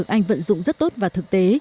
anh vẫn dụng rất tốt và thực tế